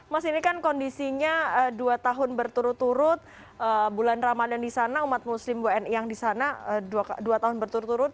mas ini kan kondisinya dua tahun berturut turut bulan ramadan di sana umat muslim wni yang di sana dua tahun berturut turut